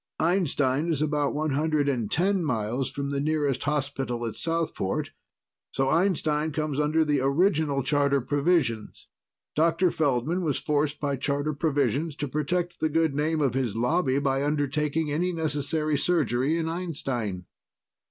Einstein is about one hundred and ten miles from the nearest hospital at Southport, so Einstein comes under the original charter provisions. Dr. Feldman was forced by charter provisions to protect the good name of his Lobby by undertaking any necessary surgery in Einstein."